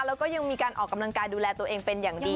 แล้วก็ยังมีการออกกำลังกายดูแลตัวเองเป็นอย่างดี